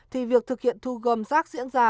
thì việc thực hiện thu gom rác diễn ra